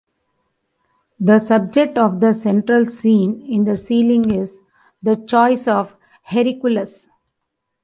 The subject of the central scene in the ceiling is "The Choice of Hercules".